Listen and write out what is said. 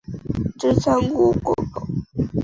真三国广告。